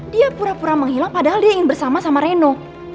dia pura pura menghilang padahal dia ingin bersama sama reno